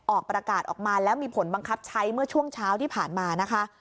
ออกประกาศออกมาแล้วมีผลบังคับใช้เมื่อช่วงเช้าที่ผ่านมานะคะ